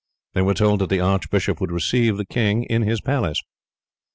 They were told that the archbishop would receive the king in his palace.